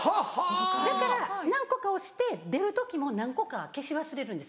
だから何個か押して出る時も何個か消し忘れるんです。